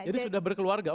jadi sudah berkeluarga